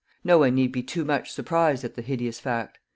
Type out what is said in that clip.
No one need be too much surprised at the hideous fact.